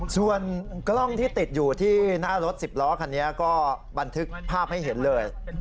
ส่วนกล้องที่ติดอยู่ที่หน้ารถ๑๐ล้อคันนี้ก็บันทึกภาพให้เห็นเลย